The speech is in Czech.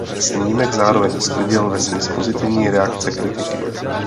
Snímek zároveň sklidil vesměs pozitivní reakce kritiky.